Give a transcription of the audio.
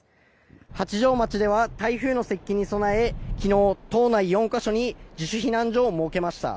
八丈町では台風の接近に備え昨日、島内４か所に自主避難所を設けました。